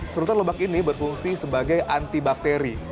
serutan lebak ini berfungsi sebagai antibakteri